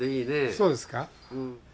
そうですか？